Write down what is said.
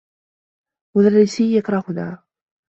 مدرّسي يكرهنا.